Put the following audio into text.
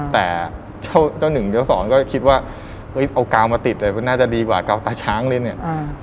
แต่เจ้าหนึ่งเดี๋ยวสอนก็คิดว่าเฮ้ยเอากาวมาติดเลยมันน่าจะดีกว่ากาวตาช้างเลยเนี่ย